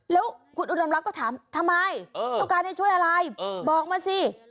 แล้วคุณอุดมรักก็ถามทำไมต้องการให้ช่วยอะไรบอกมาสิ